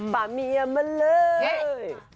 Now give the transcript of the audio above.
ป่าเมียมาเลย